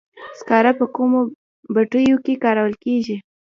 سکاره په کومو بټیو کې کارول کیږي؟